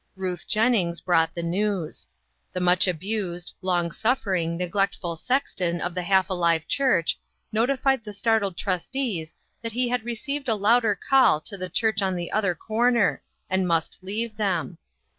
Ruth Jennings brought the news. The much abused, long suffering, neglectful sexton of the half alive church notified the startled trustees that he had received a louder call to the church on the other cor ner, and must leave them.